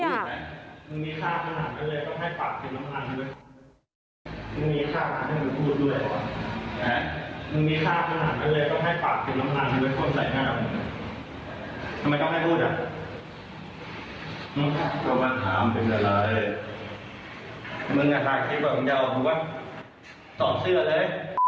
มึงอะคลายคลิปกว่ามึงได้เอาบอกว่าสอบเสื้อเลย